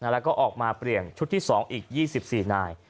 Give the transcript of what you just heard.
แล้วก็ออกมาเปลี่ยนชุดที่๒อีก๒๔นาย